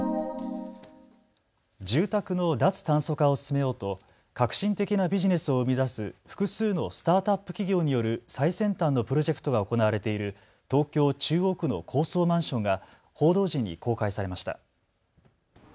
住宅の脱炭素化を進めようと革新的なビジネスを生み出す複数のスタートアップ企業による最先端のプロジェクトが行われている東京中央区の高層マンションが報道陣に公開されました。